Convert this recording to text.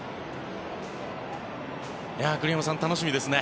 栗山さん、楽しみですね。